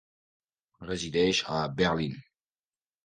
Resideix a Berlín.